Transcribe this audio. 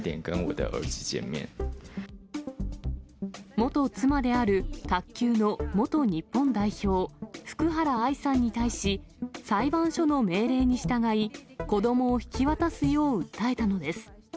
元妻である卓球の元日本代表、福原愛さんに対し、裁判所の命令に従い子どもを引き渡すよう訴えたのです。